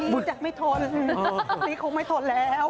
รู้จักไม่ทนนี่คงไม่ทนแล้ว